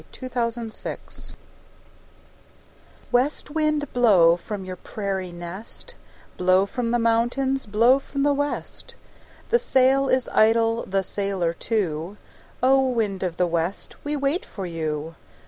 THE SONG MY PADDLE SINGS West wind, blow from your prairie nest, Blow from the mountains, blow from the west. The sail is idle, the sailor too; O! wind of the west, we wait for you.